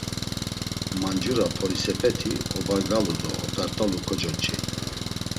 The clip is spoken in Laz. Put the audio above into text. Mancura polisepeti obargalu do ot̆art̆alu kocoç̌ey.